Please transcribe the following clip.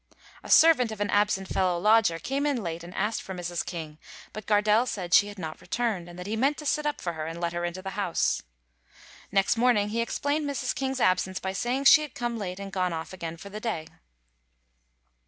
A servant of an absent fellow lodger came in late and asked for Mrs. King, but Gardelle said she had not returned, and that he meant to sit up for her and let her into the house. Next morning he explained Mrs. King's absence by saying she had come late and gone off again for the day.